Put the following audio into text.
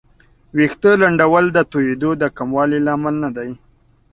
ویښتې لنډول د توېیدو د کمولو لامل نه دی.